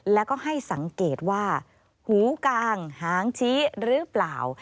แล้วก็ให้สังเกตว่าหูกางหางชี้หรือเปล่า